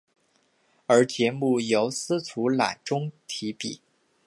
而节目由司徒乃钟题笔。